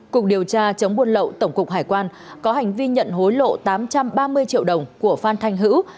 cục điều tra chống buôn lậu tổng cục hải quan có hành vi nhận hối lộ tám trăm ba mươi triệu đồng của phan thanh hữu